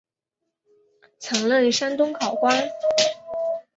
曾任山东考官。